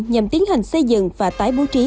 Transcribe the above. nhằm tiến hành xây dựng và tái bố trí